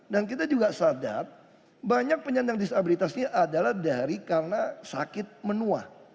dan kita juga sadar banyak penyandang disabilitas ini adalah dari karena sakit menua